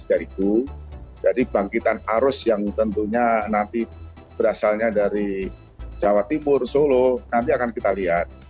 jadi bangkitan arus yang tentunya nanti berasalnya dari jawa timur solo nanti akan kita lihat